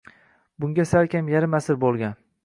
Bunga salkam yarim asr bo‘lgan.